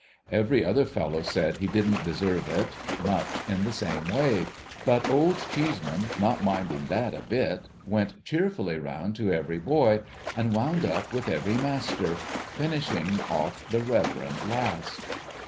Every other fellow said he didn't deserve it, much in the same way ; 'but Old Cheeseman, not minding that a bit, went cheerfully round to every boy, and wound up with every master — finishing off the Reverend last.